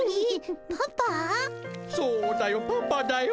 そうだよパパだよ。